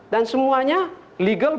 dan semuanya legal